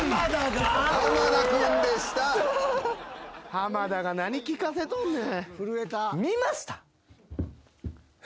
濱田が何聞かせとんねん。